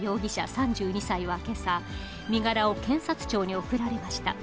３２歳はけさ、身柄を検察庁に送られました。